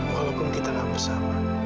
walaupun kita gak bersama